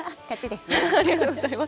ありがとうございます。